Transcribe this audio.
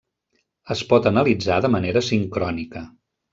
Es pot analitzar de manera sincrònica.